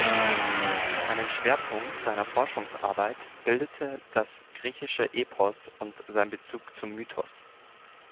Einen Schwerpunkt seiner Forschungsarbeit bildete das griechische Epos und sein Bezug zum Mythos.